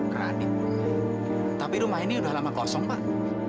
keradik tapi rumah ini udah lama kosong pak